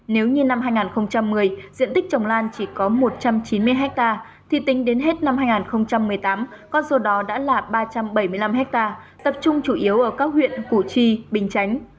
nếu như năm hai nghìn một mươi diện tích trồng lan chỉ có một trăm chín mươi ha thì tính đến hết năm hai nghìn một mươi tám con số đó đã là ba trăm bảy mươi năm ha tập trung chủ yếu ở các huyện củ chi bình chánh